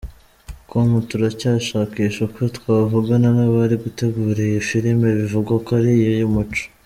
com turacyashakisha uko twavugana n'abari gutegura iyi filime bivugwa ko ari iy'umuco.